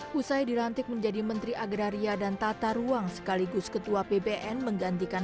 hai usai dilantik menjadi menteri agraria dan tata ruang sekaligus ketua pbn menggantikan